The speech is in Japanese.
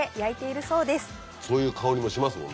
そういう香りもしますもん。